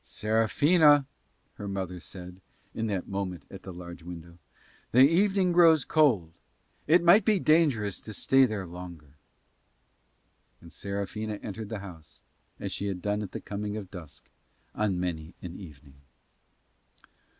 "Serafina," her mother said in that moment at the large window, "the evening grows cold. It might be dangerous to stay there longer." And Serafina entered the house, as she had done at the coming of dusk on many an evening.